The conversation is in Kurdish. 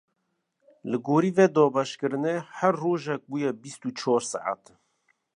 Li gorî vê dabeşkirinê, her rojek bûye bîst û çar saet.